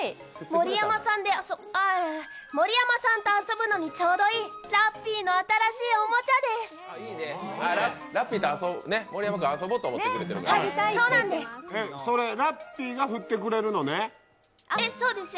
盛山さんと遊ぶのにちょうどいいラッピーの新しいおもちゃです。